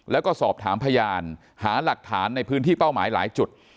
แล้วก็สอบถามพยานหาหลักฐานในพื้นที่เป้าหมายหลายจุด